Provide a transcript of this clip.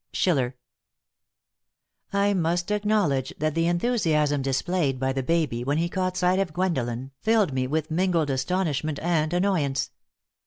Schiller. I must acknowledge that the enthusiasm displayed by the baby when he caught sight of Gwendolen filled me with mingled astonishment and annoyance.